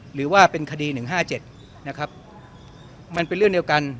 หรือว่าเป็นคดี๑๕๗นะครับมันเป็นเรื่องเดียวกัน